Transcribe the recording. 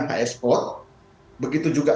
hs code begitu juga